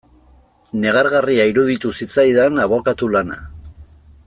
Negargarria iruditu zitzaidan abokatu lana.